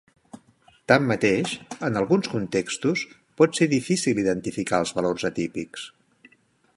Tanmateix, en alguns contextos, pot ser difícil identificar els valors atípics.